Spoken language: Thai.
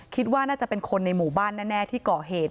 คิดว่าน่าจะเป็นคนในหมู่บ้านแน่ที่ก่อเหตุ